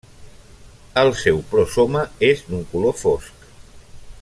El seu prosoma és d'un color fosc.